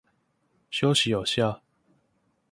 休息有效